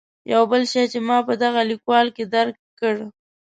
یو بل شی چې ما په دغه لیکوال کې درک کړ.